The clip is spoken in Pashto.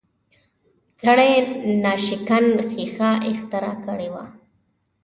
سړي ناشکن ښیښه اختراع کړې وه